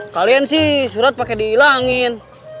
kalian sih surat pake diilangin